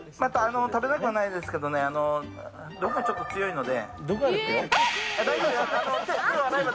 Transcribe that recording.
食べなくはないですけど毒がちょっと強いので。